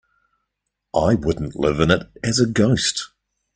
I wouldn't live in it as a ghost.